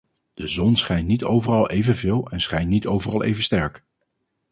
De zon schijnt niet overal evenveel en schijnt niet overal even sterk.